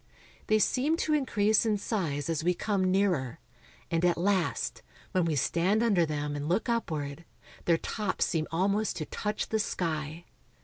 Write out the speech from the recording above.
They seem to increase in size as we come nearer, and at last, when we stand under them and look upward, their tops seem almost to touch the sky.